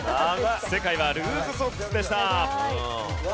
正解はルーズソックスでした。